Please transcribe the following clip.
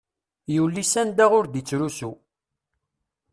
Yuli s anda ur d-ittrusu.